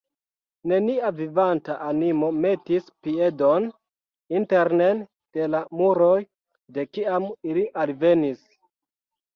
Nenia vivanta animo metis piedon internen de la muroj, de kiam ili alvenis.